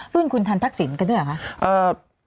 รุ่นคุณทันทักษิณกันด้วยเหรอคะ